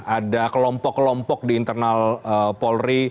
ada kelompok kelompok di internal polri